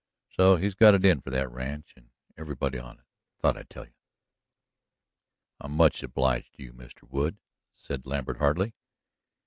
So he's got it in for that ranch, and everybody on it. I thought I'd tell you." "I'm much obliged to you, Mr. Wood," said Lambert heartily.